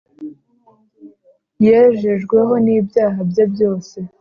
yejejweho n ibyaha bye byose